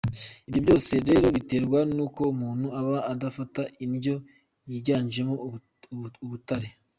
Ibyo byose rro biterwa n’uko umuntu aba adafata indyo yignjemo ubutare.